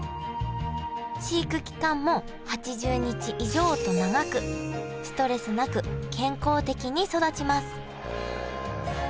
飼育期間も８０日以上と長くストレスなく健康的に育ちますへえ。